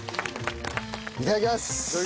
いただきます。